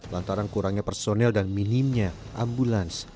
lantaran kurangnya personel dan minimnya ambulans